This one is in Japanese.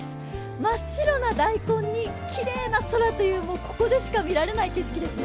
真っ白な大根にきれいな空というここでしか見られない景色ですね。